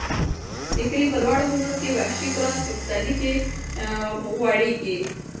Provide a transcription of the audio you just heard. د کلي په لوړو غرونو کې وحشي ګلان په پسرلي کې غوړېږي.